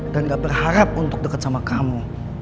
dan gak berharap untuk deket sama kamu